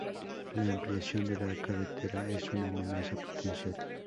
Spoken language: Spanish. La ampliación de la carretera es una amenaza potencial.